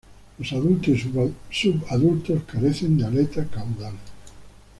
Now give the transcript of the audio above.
Los adultos y subadultos carecen de aleta caudal.